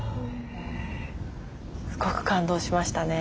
すごく感動しましたね。